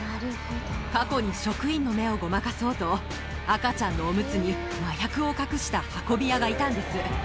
過去に職員の目をごまかそうと、赤ちゃんのおむつに麻薬を隠した運び屋がいたんです。